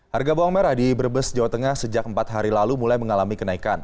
harga bawang merah di brebes jawa tengah sejak empat hari lalu mulai mengalami kenaikan